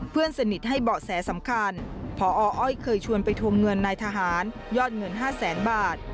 เพื่อนสนิทให้เบาะแสสำคัญพออ้อยเคยชวนไปทวงเงินนายทหารยอดเงิน๕แสนบาท